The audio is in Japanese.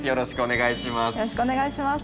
よろしくお願いします。